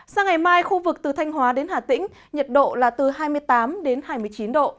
sang ngày mai khu vực từ thanh hóa đến hà tĩnh nhiệt độ là từ hai mươi tám đến hai mươi chín độ